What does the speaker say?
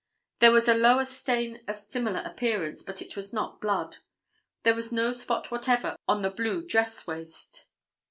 There was a lower stain of similar appearance, but it was not blood. There was no spot whatever on the blue dress waist.